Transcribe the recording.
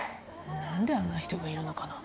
何であんな人がいるのかな。